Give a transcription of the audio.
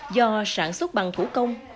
do sản xuất bằng thủ công